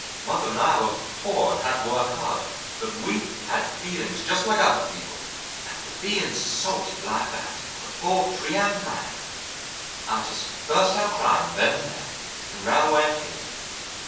Mother and I were poor, and had to work hard, but we had feelings just like other people, and to be insulted like that before Trenham Manning! I just burst out crying then and there, and ran away and hid.